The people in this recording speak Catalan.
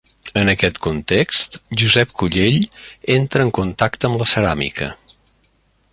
En aquest context, Josep Collell entra en contacte amb la ceràmica.